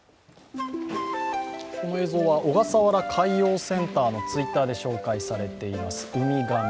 この映像は小笠原海洋センターのＴｗｉｔｔｅｒで紹介されていますウミガメ。